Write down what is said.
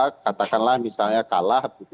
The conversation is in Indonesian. katakanlah misalnya kalah